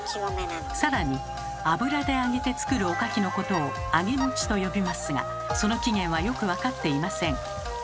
更に油で揚げて作るおかきのことを「あげもち」と呼びますがその起源はよく分かっていません。